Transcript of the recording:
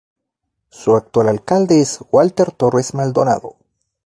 Su actual alcalde es Walter Torres Maldonado.